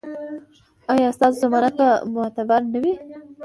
ایا ستاسو ضمانت به معتبر نه وي؟